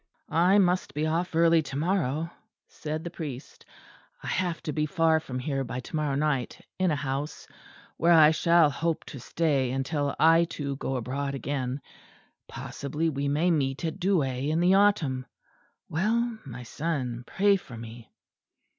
"I must be off early to morrow," said the priest. "I have to be far from here by to morrow night, in a house where I shall hope to stay until I, too, go abroad again. Possibly we may meet at Douai in the autumn. Well, my son, pray for me."